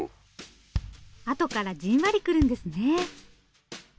あとからじんわりくるんですね。